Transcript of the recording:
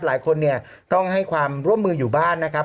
หลายคนเนี่ยต้องให้ความร่วมมืออยู่บ้านนะครับ